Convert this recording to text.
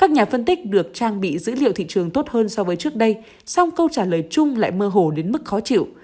nhân tích được trang bị dữ liệu thị trường tốt hơn so với trước đây song câu trả lời chung lại mơ hồ đến mức khó chịu